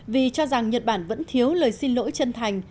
vì cho rằng nhật bản vẫn thiếu lời xin lỗi chân thành